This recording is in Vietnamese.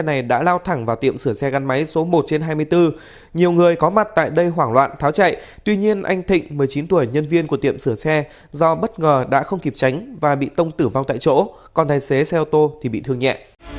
hãy đăng ký kênh để ủng hộ kênh của chúng mình nhé